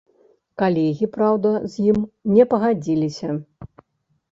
Калегі, праўда, з ім не пагадзіліся.